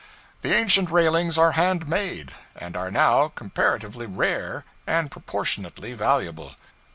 The ancient railings are hand made, and are now comparatively rare and proportionately valuable.